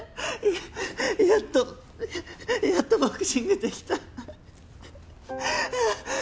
やっとやっとボクシングできた。